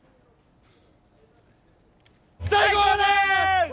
最高です！